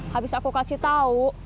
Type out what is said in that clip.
habis aku kasih tau